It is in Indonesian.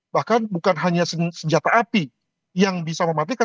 bahkan bukan hanya senjata api yang bisa mematikan